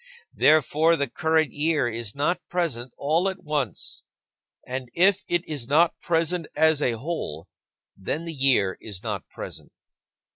Therefore, the current year is not present all at once. And if it is not present as a whole, then the year is not present.